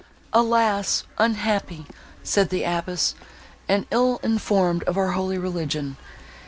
"Alas! unhappy!" said the abbess, "and ill informed of our holy religion!"